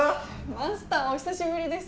マスターお久しぶりです。